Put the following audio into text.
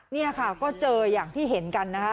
นี่ค่ะก็เจออย่างที่เห็นกันนะคะ